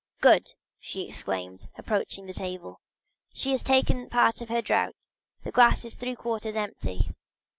"Good," she exclaimed, approaching the table, "she has taken part of her draught; the glass is three quarters empty."